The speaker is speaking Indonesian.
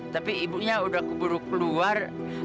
tapi ibunya udah keburu keluar